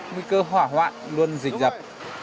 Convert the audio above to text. nguy cơ hỏa hoạn luôn dịch dập